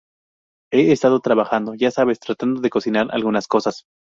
He estado trabajando, ya sabes, tratando de cocinar algunas cosas".